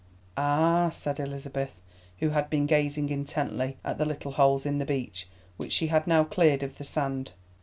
"Ah!" said Elizabeth, who had been gazing intently at the little holes in the beach which she had now cleared of the sand.